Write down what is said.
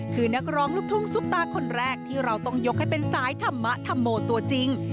คือนักร้องลูกทุ่งซุปตาคนแรกที่เราต้องยกให้เป็นสายธรรมธรรโมตัวจริง